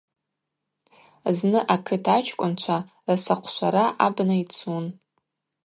Зны акыт ачкӏвынчва расахъвшвара абна йцун.